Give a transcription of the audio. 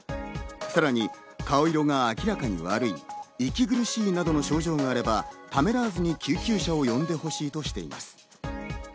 さらに顔色が明らかに悪い、息苦しいなどの症状があれば、ためらわずに救急車を呼んでほしいとしています。